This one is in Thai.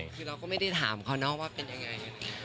คือเราก็ไม่ได้ถามเขาเนาะว่าเป็นยังไง